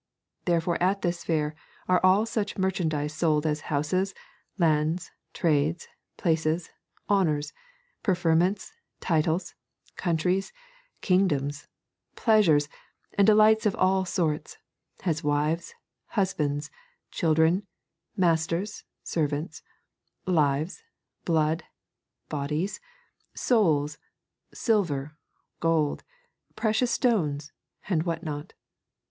Therefore at this fair are all such merchandise sold as houses, lands, trades, places, honours, preferments, titles, countries, kingdoms, pleasures, and delights of all sorts, as wives, husbands, children, masters, servants, lives, blood, bodies, souls, silver, gold, precious stones, and what not.